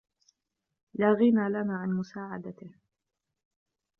لا غِنى لنا عن مساعدته.